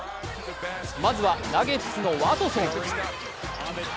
まずは、ナゲッツのワトソン。